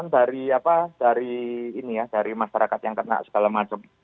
dan dari masyarakat yang kena segala macam